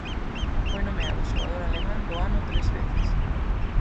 Foi nomeado Xogador Alemán do Ano tres veces.